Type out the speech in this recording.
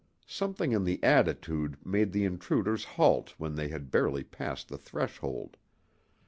Something in the attitude made the intruders halt when they had barely passed the threshold.